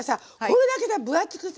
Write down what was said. これだけさ分厚く